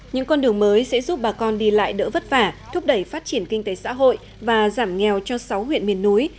những con đường mới sẽ giúp bà con đi lại đỡ vất vả thúc đẩy phát triển kinh tế xã hội và giảm nghèo cho sáu huyện miền núi